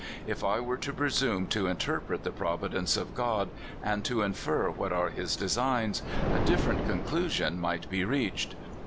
If I were to pre sume to interpret the providence of God, and to infer what are his designs, a different conclusion might be reached.